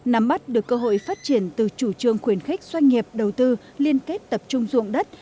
nắm bắt được cơ hội phát triển từ chủ trương khuyến khích doanh nghiệp đầu tư liên kết tập trung dụng đất